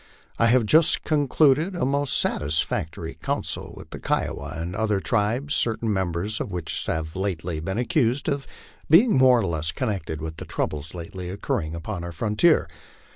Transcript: I have just concluded a most satisfactory council with the Kiowa and other tribes, certain members of which have lately been accused of being more or less connected with the troubles lately occurring upon our frontier.